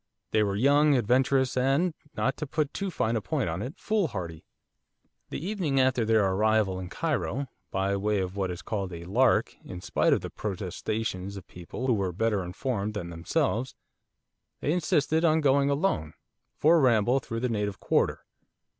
They were young, adventurous, and not to put too fine a point on it foolhardy. The evening after their arrival in Cairo, by way of what is called 'a lark,' in spite of the protestations of people who were better informed than themselves, they insisted on going, alone, for a ramble through the native quarter.